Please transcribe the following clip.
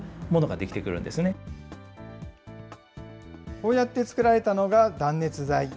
こうやって作られたのが断熱材。